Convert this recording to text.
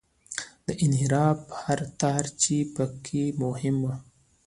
د انحراف هر تار چې په کې ومومم.